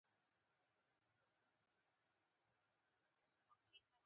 پر دوستانو پوښتنه کول دیني وجیبه ده.